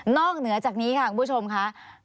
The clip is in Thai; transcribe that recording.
เหนือจากนี้ค่ะคุณผู้ชมค่ะ